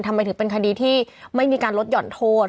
ทำไมถึงเป็นคดีที่ไม่มีการลดหย่อนโทษ